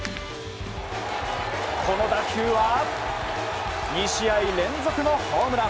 この打球は２試合連続のホームラン。